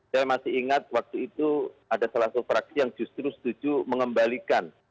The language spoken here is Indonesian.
saya masih ingat waktu itu ada salah satu fraksi yang justru setuju mengembalikan